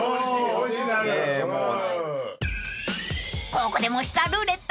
［ここでもしツアルーレット］